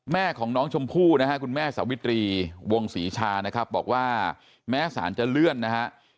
แม่ของน้องชมพู่นะฮะคุณแม่สวิตรีวงศรีชานะครับบอกว่าแม้สารจะเลื่อนนะฮะ